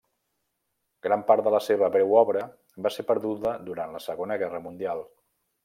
Gran part de la seva breu obra va ser perduda durant la Segona Guerra Mundial.